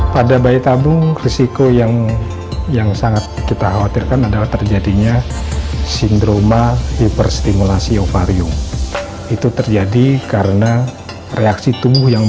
pada bayi tabung resiko yang sangat kita khawatirkan adalah terjadinya